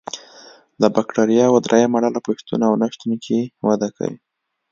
د بکټریاوو دریمه ډله په شتون او نشتون کې وده کوي.